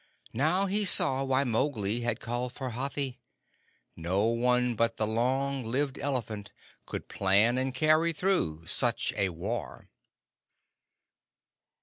Now he saw why Mowgli had sent for Hathi. No one but the long lived elephant could plan and carry through such a war.